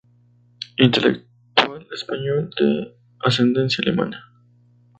Intelectual español de ascendencia alemana.